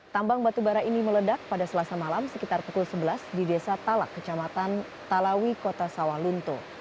tambang batu bara ini meledak pada selasa malam sekitar pukul sebelas di desa talak kecamatan talawi kota sawah lunto